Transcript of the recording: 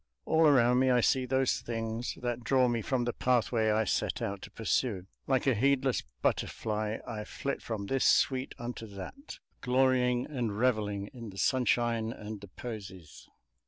All around me I see those things that draw me from the pathway I set out to pursue: like a heedless butterfly I flit from this sweet unto that, glorying and revelling in the sunshine and the posies.